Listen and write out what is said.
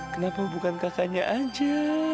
kenapa bukan kakaknya aja